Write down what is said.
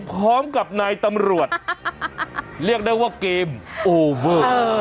พร้อมกับนายตำรวจเรียกได้ว่าเกมโอเวอร์